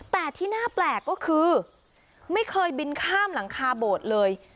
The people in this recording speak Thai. แต่ที่น่าแปลกก็คือไม่เคยบินข้ามหลังคาโบสถ์เลย